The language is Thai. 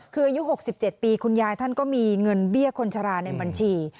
คืออายุ๖๗ปีคุณยายท่านก็มีเงินเบี้ยคนชราในบัญชี